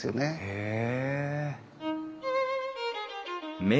へえ。